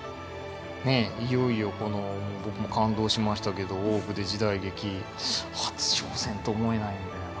ねえいよいよこの僕も感動しましたけど「大奥」で時代劇初挑戦と思えないんだよな。